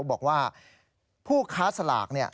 บอกว่าผู้ค้าสลากเนี่ย